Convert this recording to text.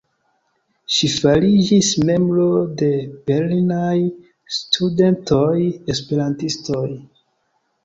Ŝi fariĝis membro de Berlinaj Studentoj-Esperantistoj.